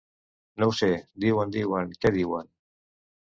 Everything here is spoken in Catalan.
No ho sé, diuen, diuen… Què diuen?